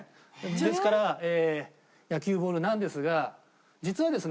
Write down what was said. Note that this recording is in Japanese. ですから野球ボールなんですが実はですね